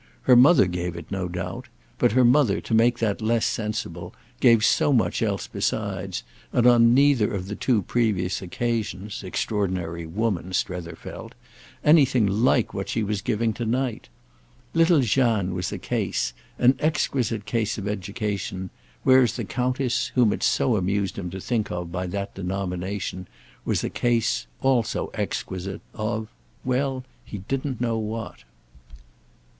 Her mother gave it, no doubt; but her mother, to make that less sensible, gave so much else besides, and on neither of the two previous occasions, extraordinary woman, Strether felt, anything like what she was giving tonight. Little Jeanne was a case, an exquisite case of education; whereas the Countess, whom it so amused him to think of by that denomination, was a case, also exquisite, of—well, he didn't know what.